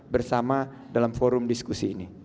bersama dalam forum diskusi ini